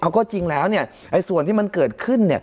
ข้อจริงแล้วส่วนที่มันเกิดขึ้น